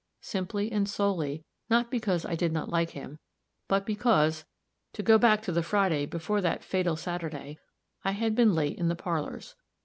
Simply and solely not because I did not like him but because, to go back to the Friday before that fatal Saturday, I had been late in the parlors.